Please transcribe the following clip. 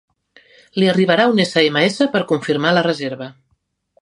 Li arribarà un essa ema essa per confirmar la reserva.